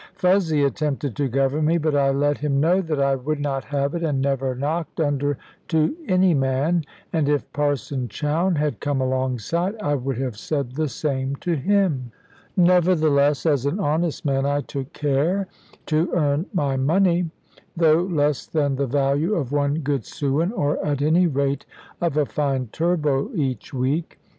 Fuzzy attempted to govern me; but I let him know that I would not have it, and never knocked under to any man. And if Parson Chowne had come alongside, I would have said the same to him. Nevertheless, as an honest man, I took good care to earn my money, though less than the value of one good sewin, or at any rate of a fine turbot, each week.